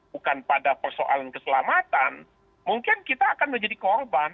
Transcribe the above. bukan pada persoalan keselamatan mungkin kita akan menjadi korban